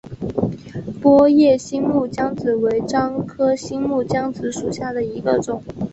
波叶新木姜子为樟科新木姜子属下的一个种。